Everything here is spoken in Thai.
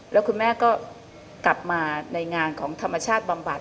แล้วคุณแม่ก็กลับมาในงานของธรรมชาติบำบัด